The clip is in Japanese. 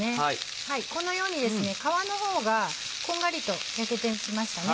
このようにですね皮の方がこんがりと焼けてきましたね。